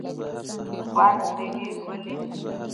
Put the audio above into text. خوند دې یې ولید.